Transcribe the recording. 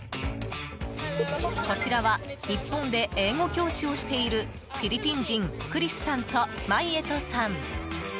こちらは日本で英語教師をしているフィリピン人、クリスさんとマイエトさん。